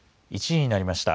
１時になりました。